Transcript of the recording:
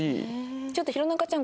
ちょっと弘中ちゃん